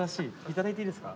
頂いていいですか？